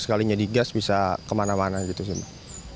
sekalinya digas bisa kemana mana gitu sih